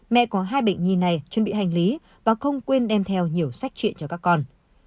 mẹ có hai bệnh nhi này chuẩn bị hành lý và không quên đem theo nhiều sách chuyện cho các con